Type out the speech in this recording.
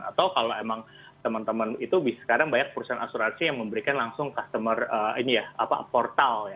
atau kalau emang teman teman itu sekarang banyak perusahaan asuransi yang memberikan langsung customer portal